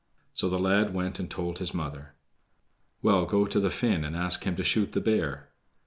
So the lad went and told his mother. "Well, go to the Finn and ask him to shoot the bear."